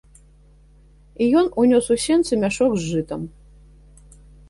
І ён унёс у сенцы мяшок з жытам.